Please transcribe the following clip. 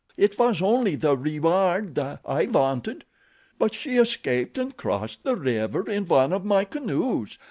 It was the only reward I wanted. But she escaped and crossed the river in one of my canoes.